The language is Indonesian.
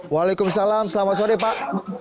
waalaikumsalam selamat sore pak